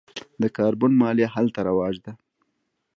د کاربن مالیه هلته رواج ده.